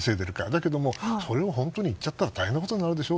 だけどもそれを本当に言っちゃったら大変なことになるでしょ。